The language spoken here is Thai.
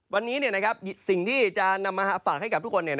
วันนี้สิ่งที่จะนำมาฝากให้กับทุกคน